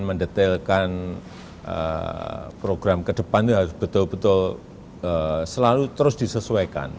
mendetailkan program ke depan itu harus betul betul selalu terus disesuaikan